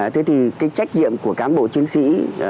thế thì cái trách nhiệm của cán bộ chiến sĩ